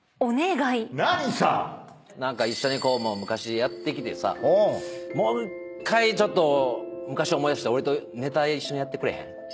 何さ⁉一緒に昔やってきてさもう１回ちょっと昔思い出して俺とネタ一緒にやってくれへん？